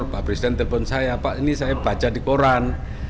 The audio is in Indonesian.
pak presiden telpon saya pak ini saya baca di koran